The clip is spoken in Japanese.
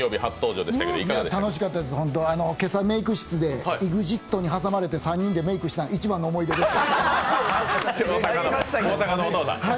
楽しかったです、今朝、メーク室でＥＸＩＴに挟まれて３人でメークしたの一番の思い出です。